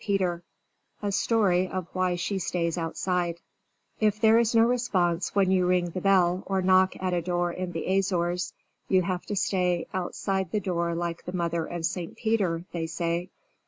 PETER A Story of Why She Stays Outside If there is no response when you ring the bell or knock at a door in the Azores, you have to stay "outside the door like the mother of St. Peter," they say.